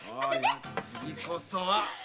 次こそは！